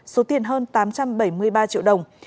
số tiền hơn tám trăm bảy mươi ba triệu đồng